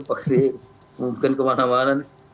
pakai mungkin kemana mana